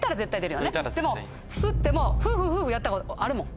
でも吸ってもフフフフやったことあるもん。